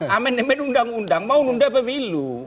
amen amen undang undang mau menunda pemilu